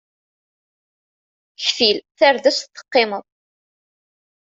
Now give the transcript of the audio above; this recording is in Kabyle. Ktil tardest teqqimeḍ.